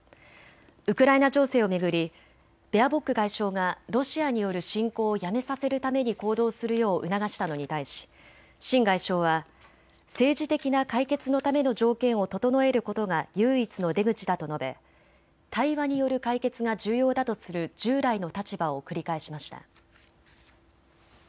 ウクライナ情勢を巡りベアボック外相がロシアによる侵攻をやめさせるために行動するよう促したのに対し秦外相は政治的な解決のための条件を整えることが唯一の出口だと述べ対話による解決が重要だとする従来の立場を繰り返しました。